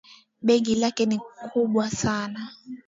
Begi lake ni kubwa sana